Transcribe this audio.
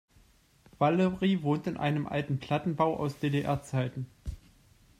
Valerie wohnt in einem alten Plattenbau aus DDR-Zeiten.